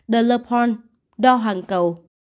the le pond the hoàng cầu